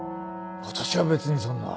私は別にそんな。